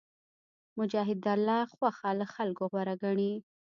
مجاهد د الله خوښه له خلکو غوره ګڼي.